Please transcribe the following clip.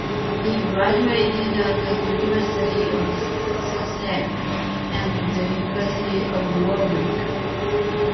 He graduated at the University of Sussex and the University of Warwick.